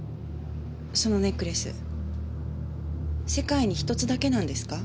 そのネックレス世界に１つだけなんですか？